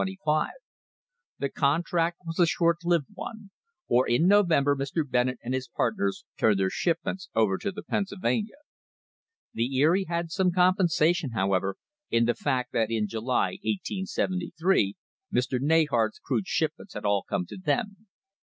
* The contract was a short lived one, for in November Mr. Bennett and his partners turned their shipments over to the Pennsyl vania. The Erie had some compensation, however, in the fact that in July, 1873, Mr Neyhart's crude shipments had all come to them.